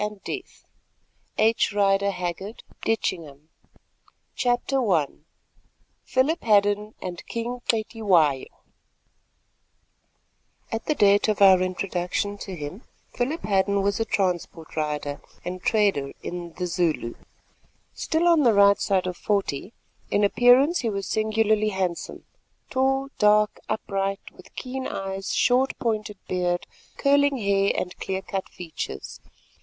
BLACK HEART AND WHITE HEART A ZULU IDYLL CHAPTER I PHILIP HADDEN AND KING CETYWAYO At the date of our introduction to him, Philip Hadden was a transport rider and trader in "the Zulu." Still on the right side of forty, in appearance he was singularly handsome; tall, dark, upright, with keen eyes, short pointed beard, curling hair and clear cut features.